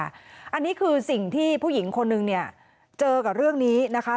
อันนี้คือสิ่งที่ผู้หญิงคนนึงเนี่ยเจอกับเรื่องนี้นะคะ